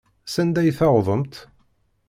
Sanda ay tewwḍemt?